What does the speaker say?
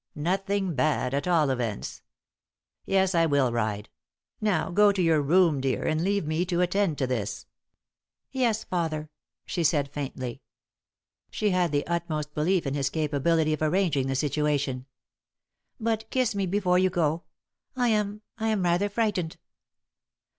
"Nothing bad, at all events. Yes, I will ride. Now go to your room, dear, and leave me to attend to this." "Yes, father," she said, faintly. She had the utmost belief in his capability of arranging the situation. "But kiss me before you go. I am I am rather frightened."